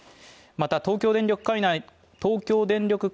また東京電力金井東京電力